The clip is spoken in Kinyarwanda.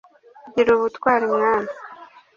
gira ubutwari mwana